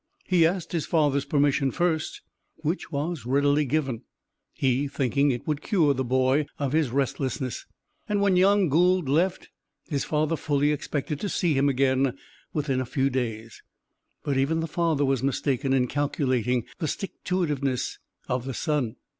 He asked his father's permission first, which was readily given, he thinking it would cure the boy of his restlessness, and when young Gould left, his father fully expected to see him again within a few days, but even the father was mistaken in calculating the stick to it iveness of the son.